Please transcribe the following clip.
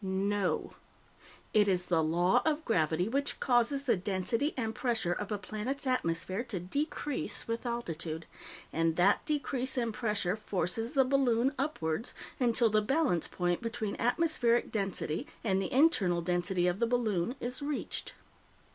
No. It is the Law of Gravity which causes the density and pressure of a planet's atmosphere to decrease with altitude, and that decrease in pressure forces the balloon upwards until the balance point between atmospheric density and the internal density of the balloon is reached.